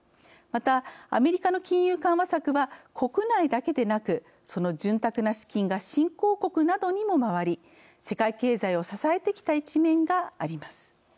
また、アメリカの金融緩和策は国内だけでなくその潤沢な資金が新興国などにも回り世界経済を支えてきた一面があります。